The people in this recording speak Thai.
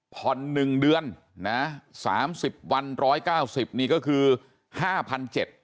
ผ่อน๑เดือนนะ๓๐วัน๑๙๐นี่ก็คือ๕๗๐๐บาท